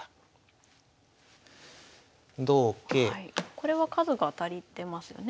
これは数が足りてますよね。